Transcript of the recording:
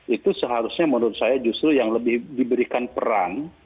itu seharusnya menurut saya justru yang lebih diberikan peran